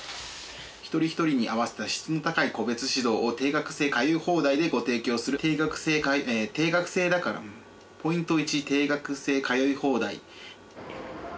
「一人一人に合わせた質の高い個別指導を定額制通い放題でご提供する」「定額制定額制」「ポイント１定額制通い放題」